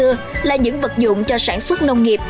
từ thời xa xưa là những vật dụng cho sản xuất nông nghiệp